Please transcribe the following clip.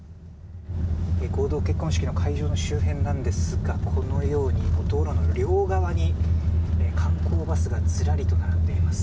合同結婚式の会場の周辺なんですがこのように道路の両側に観光バスがずらりと並んでいます。